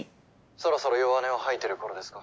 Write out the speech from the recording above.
そろそろ弱音を吐いてる頃ですか？